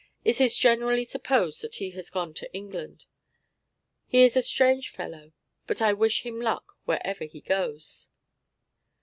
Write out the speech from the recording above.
It is generally supposed that he has gone to England. He is a strange fellow, but I wish him luck wherever he goes.